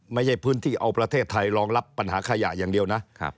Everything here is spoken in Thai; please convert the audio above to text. ไม่ใช่พื้นที่เอาประเทศไทยรองรับปัญหาขยะอย่างเดียวนะ